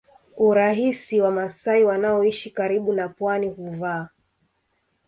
urahisi Wamasai wanaoishi karibu na pwani huvaa